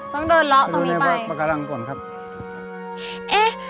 ต้องเดินละตรงนี้ไปไปดูในปะกาลังก่อนครับเอ๊ะ